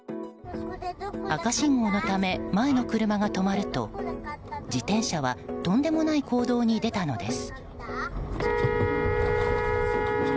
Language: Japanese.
赤信号のため前の車が止まると自転車はとんでもない行動に出たのです。